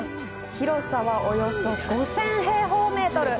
広さは、およそ５０００平方メートル。